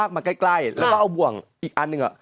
มาใกล้แล้วก็เอาบ่วงอีกอันหนึ่ง